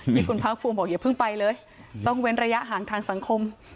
ที่คุณภาคภูมิบอกอย่าเพิ่งไปเลยต้องเว้นระยะห่างทางสังคม